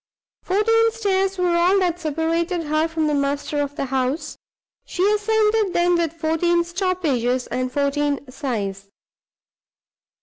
Fourteen stairs were all that separated her from the master of the house; she ascended them with fourteen stoppages and fourteen sighs.